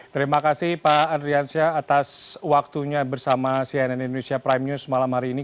terima kasih pak andriansyah atas waktunya bersama cnn indonesia prime news malam hari ini